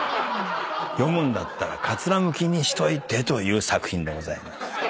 読むんだったらかつらむきにしといてという作品でございます。